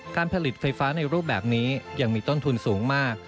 การผลิตไฟฟ้าในรูปแบบนี้ยังมีต้นทุนสูงมาก